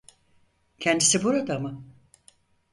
Kendisi burada mı?